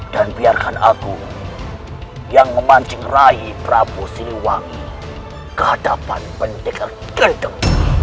dan biarkan aku yang memancing raih prabu siliwangi kehadapan pendekar gendeng